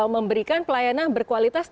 memberikan pelayanan berkualitas